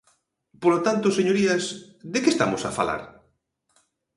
Polo tanto, señorías, ¿de que estamos a falar?